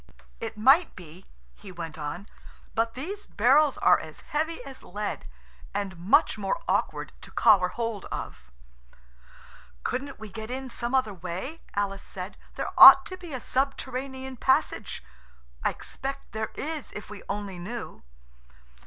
"It might be," he went on, "but these barrels are as heavy as lead, and much more awkward to collar hold of." "Couldn't we get in some other way?" Alice said. "There ought to be a subterranean passage. I expect there is if we only knew."